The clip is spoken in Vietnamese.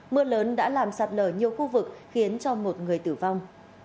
mưa lớn đã làm sạt lở nhiều khu vực khiến cho một người tử vong